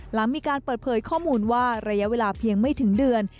หลังมีการเปิดเผยข้อมูลว่าระยะเวลาเพียงไม่ถึงเดือน